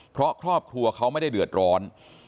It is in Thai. เพราะครอบครัวเขาไม่ได้เดือดร้อน